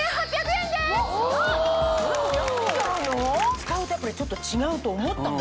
使うとやっぱりちょっと違うと思ったもん。